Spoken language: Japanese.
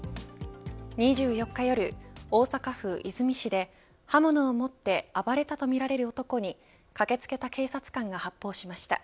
２４日夜、大阪府和泉市で刃物を持って暴れたとみられる男に駆けつけた警察官が発砲しました。